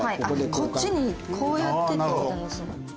こっちにこうやってってことですね。